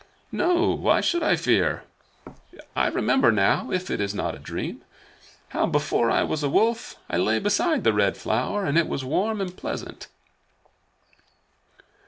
"No. Why should I fear? I remember now if it is not a dream how, before I was a Wolf, I lay beside the Red Flower, and it was warm and pleasant."